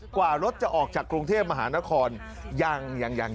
กว่ารถจะออกจากกรุงเทพมหานคร